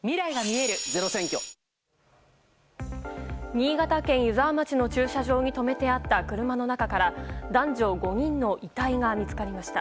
新潟県湯沢町の駐車場に止めてあった車の中から男女５人の遺体が見つかりました。